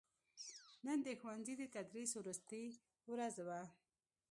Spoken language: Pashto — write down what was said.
نن دښوونځي دتدریس وروستې ورځ وه